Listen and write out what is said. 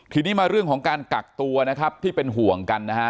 ทีนี้มาเรื่องของการกักตัวนะครับที่เป็นห่วงกันนะฮะ